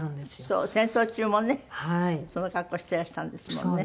そう戦争中もねその格好してらしたんですもんね。